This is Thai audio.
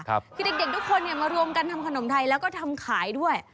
คือเด็กทุกคนเนี่ยมารวมกันทำขนมไทยแล้วก็ทำขายด้วย